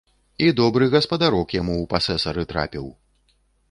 І добры гаспадарок яму ў пасэсары трапіў.